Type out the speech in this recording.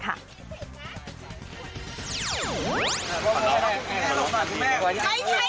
ขอร้องคุณแม่ลงมาดีกว่า